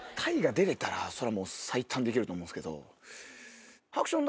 出れたらそりゃもう最短で行けると思うんですけど。